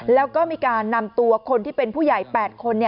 แล้วก็มีการนำตัวคนที่เป็นผู้ใหญ่๘คน